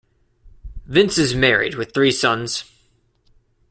Vince is married with three sons.